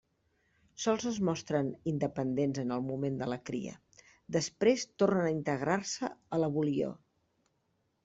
Sols es mostren independents en el moment de la cria, després tornen a integrar-se a la volior.